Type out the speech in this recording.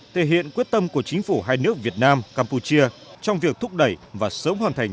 thể hiện quyết tâm của chính phủ hai nước việt nam campuchia trong việc thúc đẩy và sớm hoàn thành